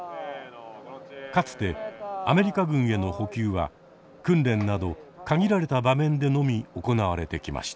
かつてアメリカ軍への補給は訓練など限られた場面でのみ行われてきました。